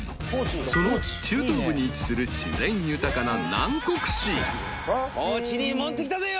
［その中東部に位置する自然豊かな］